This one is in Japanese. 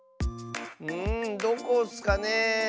んどこッスかね？